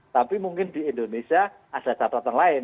tapi mungkin di indonesia asal asal lain